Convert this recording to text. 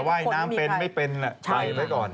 จะว่ายน้ำเป็นไม่เป็นไปก่อน